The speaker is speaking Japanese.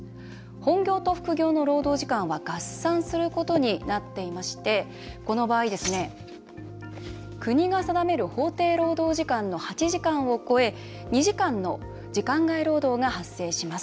本業と副業の労働時間は合算することになっていましてこの場合、国が定める法定労働時間の８時間を超え２時間の時間外労働が発生します。